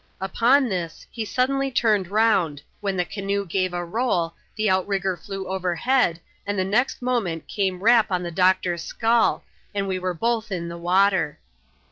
Upon tUs, he suddenly turned round, when the canoe gave a roll, the ont rigger flew overhead, and the next* moment came rap on the doctor's skull, and we were both in the water.